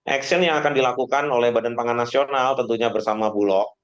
action yang akan dilakukan oleh badan pangan nasional tentunya bersama bulog